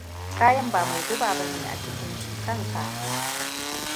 Kayan ba mai guba bane a cikin shi kansa.